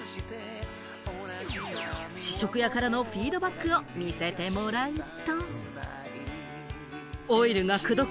試食屋からのフィードバックを見せてもらうと。